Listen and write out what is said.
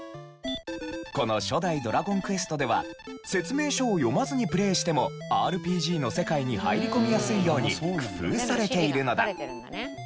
この初代『ドラゴンクエスト』では説明書を読まずにプレイしてもＲＰＧの世界に入り込みやすいように工夫されているのだ。